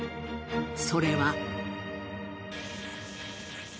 それは。